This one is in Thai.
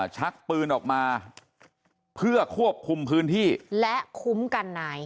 ชักปืนออกมาเพื่อควบคุมพื้นที่และคุ้มกันนาย